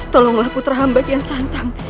tolonglah putra hamba kian santang